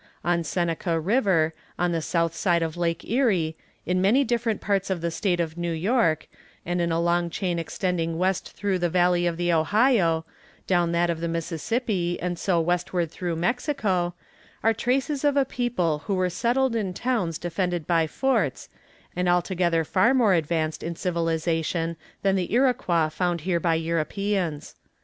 On Seneca river, on the south side of Lake Erie, in many different parts of the State of New York, and in a long chain extending west through the valley of the Ohio, down that of the Mississippi, and so westward through Mexico, are traces of a people who were settled in towns defended by forts, and altogether far more advanced in civilization than the Iroquois found here by Europeans.